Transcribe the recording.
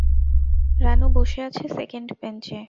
রানু বসে আছে সেকেন্ড বেঞ্চে।